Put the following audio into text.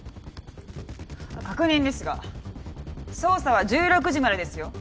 確認ですが捜査は１６時までですよ。